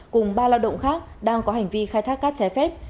cùng ba lao động khác đang có hành vi khai thác cát trái phép